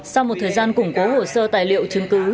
sau một thời gian củng cố hồ sơ tài liệu chứng cứ